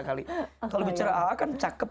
kalau bicara allah kan cakep